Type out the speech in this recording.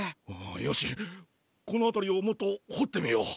よしこの辺りをもっと掘ってみよう。